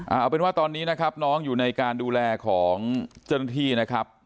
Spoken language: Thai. เอาเป็นว่าตอนนี้นะครับน้องอยู่ในการดูแลของเจ้าหน้าที่นะครับ